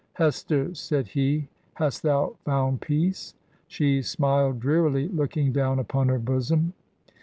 ...' Hester/ said he^ ' hast thou found peace?' She smiled drearily, looking down upon her bosom.